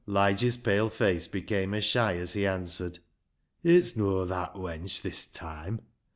Lige's pale face became ashy as he answered —" It's no' that, wench, this toime.